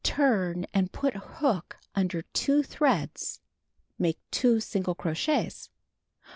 Turn, and putting hook under two threads, make 2 single crochets.